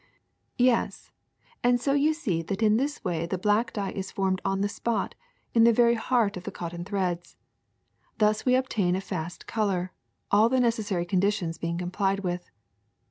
'' ^^Yes; and so you see that in this way the black dye is formed on the spot, in the very heart of the cotton threads. Thus we obtain a fast color, all the necessary conditions being complied with.